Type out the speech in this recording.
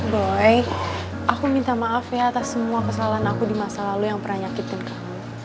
boy aku minta maaf ya atas semua kesalahan aku di masa lalu yang pernah nyakitin kamu